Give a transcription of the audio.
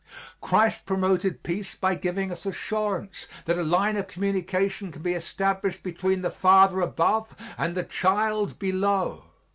Christ promoted peace by giving us assurance that a line of communication can be established between the Father above and the child below.